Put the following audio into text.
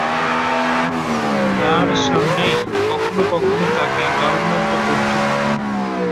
তাঁর সামনেই কখনও কখনও তাঁকে গালমন্দ করতুম।